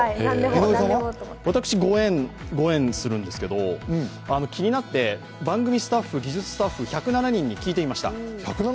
私、５円、ご縁にするんですけれども、気になって番組スタッフ、技術スタッフ１０７人に聞いてみました。